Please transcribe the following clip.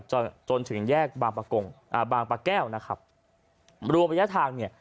จนถึงแยกบางประกงอ่าบางปะแก้วนะครับรวมระยะทางเนี่ย